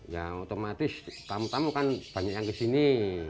ya otomatis tamu tamu kan banyak yang ke sini